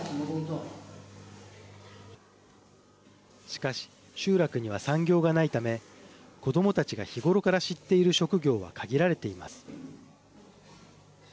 しかし集落には産業がないため子どもたちが日頃から知っている職業は限られています。